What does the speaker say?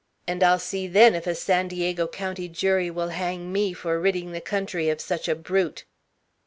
And I'll see, then, if a San Diego County jury will hang me for ridding the country of such a brute!"